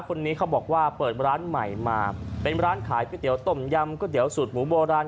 คนนี้เขาบอกว่าเปิดร้านใหม่มาเป็นร้านขายก๋วยเตี๋ยต้มยำก๋วเตี๋ยสูตรหมูโบราณ